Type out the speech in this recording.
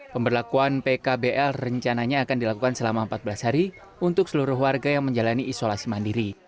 pemberlakuan pkbl rencananya akan dilakukan selama empat belas hari untuk seluruh warga yang menjalani isolasi mandiri